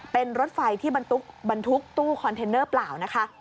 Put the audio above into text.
เป็นรถไฟที่บรรทุกตู้คอนเทนเนอร์เปล่านะคะ